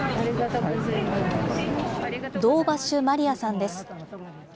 ドウバシュ・マリアさんです。